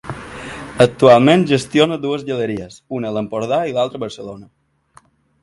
Actualment gestiona dues galeries, una a l'Empordà i l'altra a Barcelona.